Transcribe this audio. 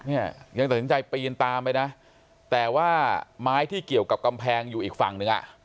เนี่ยยังตัดสินใจปีนตามไปนะแต่ว่าไม้ที่เกี่ยวกับกำแพงอยู่อีกฝั่งหนึ่งอ่ะ